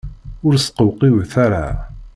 Ur sqewqiwet ara!